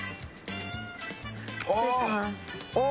失礼します。